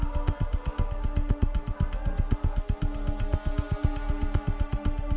biar dikembalikan kepada ahli warisnya